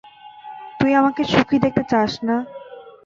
তুই আমাকে সুখী দেখতে চাস না?